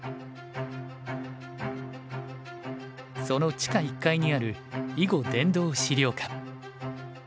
その地下１階にある囲碁殿堂資料館。